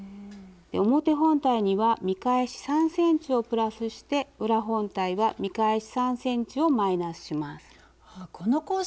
表本体には見返し３ｃｍをプラスして裏本体は見返し３ｃｍをマイナスします。